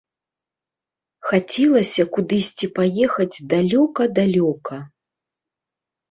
Хацелася кудысьці паехаць далёка-далёка.